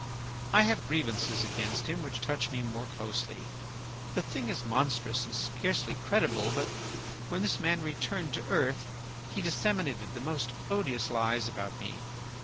I have grievances against him which touch me more closely. The thing is monstrous and scarcely credible, but when this man returned to earth he disseminated the most odious lies about me.